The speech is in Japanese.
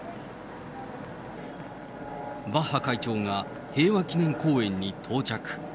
バッハ会長が平和記念公園に到着。